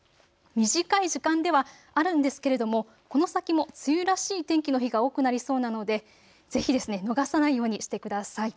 短い時間ではあるんですけれどもこの先も梅雨らしい天気の日が多くなりそうなので、ぜひ逃さないようにしてください。